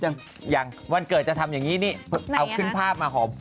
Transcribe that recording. แต่งไหมถามจริงแต่งไหม